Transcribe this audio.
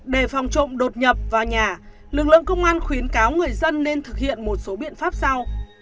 để phòng trộm đột nhập vào nhà lực lượng công an khuyến cáo người dân nên thực hiện một số biện pháp sau